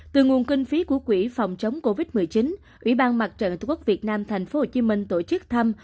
từ nguồn kinh phí của quỹ phòng chống covid một mươi chín ủy ban mặt trận tổ quốc việt nam thành phố hồ chí minh tổ chức thăm